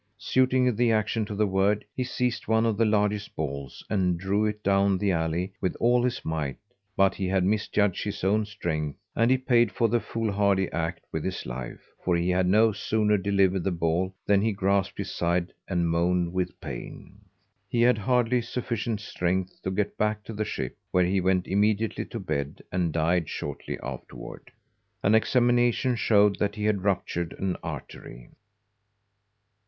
Suiting the action to the word, he seized one of the largest balls and drove it down the alley with all his might; but he had misjudged his own strength, and he paid for the foolhardy act with his life, for he had no sooner delivered the ball than he grasped his side and moaned with pain. He had hardly sufficient strength to get back to the ship, where he went immediately to bed and died shortly afterward. An examination showed that he had ruptured an artery.